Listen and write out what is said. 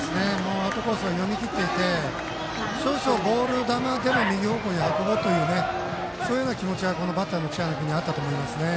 アウトコースを読みきっていて少々、ボール球でも右方向に運ぼうという気持ちがこのバッターの知花君にはあったと思います。